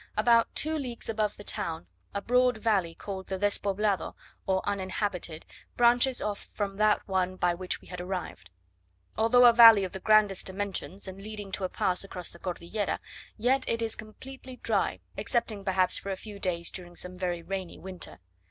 About two leagues above the town a broad valley called the "Despoblado," or uninhabited, branches off from that one by which we had arrived. Although a valley of the grandest dimensions, and leading to a pass across the Cordillera, yet it is completely dry, excepting perhaps for a few days during some very rainy winter.